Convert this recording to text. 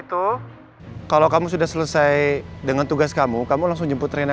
tidak usah saya bisa sendiri